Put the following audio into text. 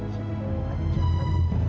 sakti ngerebut kebahagiaan mentalita